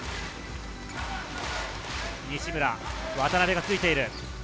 西村には渡邉がついている。